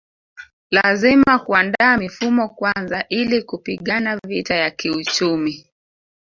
Lazima kuandaa mifumo kwanza ili kupigana vita ya kiuchumi